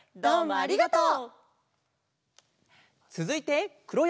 ありがとう。